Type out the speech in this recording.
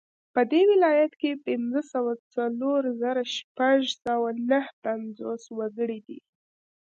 په دې ولایت کې پنځه سوه څلور زره شپږ سوه نهه پنځوس وګړي دي